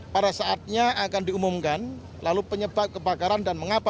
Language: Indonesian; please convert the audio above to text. pada saatnya akan diumumkan lalu penyebab kebakaran dan mengapa